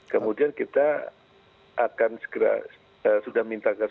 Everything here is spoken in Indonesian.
kemudian kita akan segera sudah minta ke surabaya